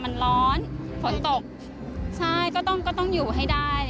มันร้อนฟ้นตกใช่ก็ต้องอยู่ให้ได้